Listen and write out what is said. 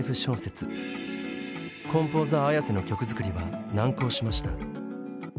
コンポーザーＡｙａｓｅの曲作りは難航しました。